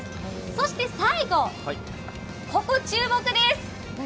そして最後、ここ注目です。